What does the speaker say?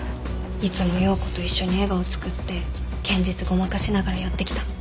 いつも葉子と一緒に笑顔つくって現実ごまかしながらやってきたの。